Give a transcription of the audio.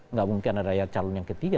nggak mungkin ada calon yang ketiga